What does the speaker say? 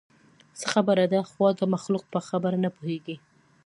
څه خبره ده؟ خو دا مخلوق په خبره نه پوهېږي.